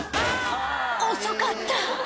「遅かった」